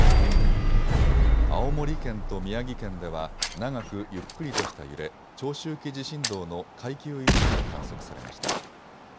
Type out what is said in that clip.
青森県と宮城県では長くゆっくりとした揺れ、長周期地震動の階級１が観測されました。